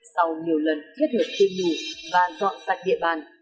sau nhiều lần thiết hợp thiên đủ và dọn sạch địa bàn